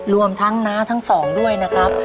รวมทั้งน้าทั้งสองด้วยนะครับ